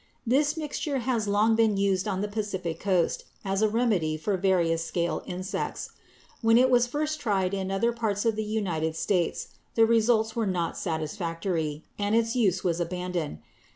This mixture has long been used on the Pacific coast as a remedy for various scale insects. When it was first tried in other parts of the United States the results were not satisfactory and its use was abandoned.